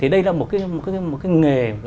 đây là một cái nghề